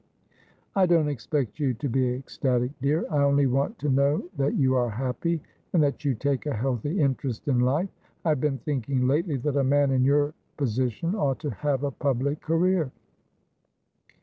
' I don't expect you to be ecstatic, dear ; I only want to know that you are happy, and that you take a healthy interest in life. I have been thinking lately that a man in your posi tion ought to have a public career.